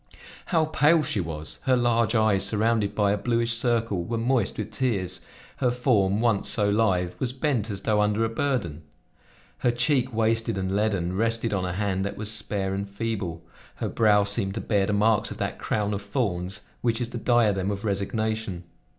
How pale she was! Her large eyes, surrounded by a bluish circle, were moist with tears; her form, once so lithe, was bent as though under a burden; her cheek, wasted and leaden, rested on a hand that was spare and feeble; her brow seemed to bear the marks of that crown of thorns which is the diadem of resignation.